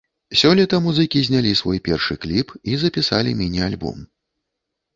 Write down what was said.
Сёлета музыкі знялі свой першы кліп і запісалі міні-альбом.